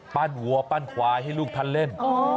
วัวปั้นควายให้ลูกท่านเล่น